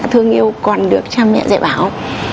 thương yêu còn được cha mẹ dạy bảo